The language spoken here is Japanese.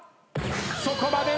そこまで。